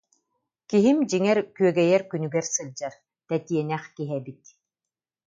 Киһим, дьиҥэр, күөгэйэр күнүгэр сылдьар, тэтиэнэх киһи эбит